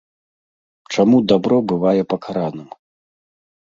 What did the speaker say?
Чаму дабро бывае пакараным?